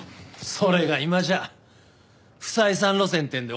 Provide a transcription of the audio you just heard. それが今じゃ不採算路線ってんでお払い箱だ。